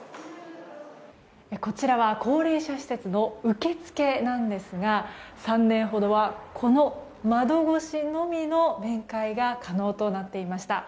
こちらは高齢者施設の受付なんですが３年ほどは、この窓越しのみの面会が可能となっていました。